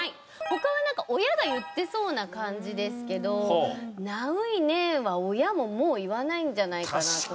他はなんか親が言ってそうな感じですけど「ナウいね」は親ももう言わないんじゃないかなと。